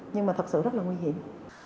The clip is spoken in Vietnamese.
nhưng mà thật sự rất là nguy hiểm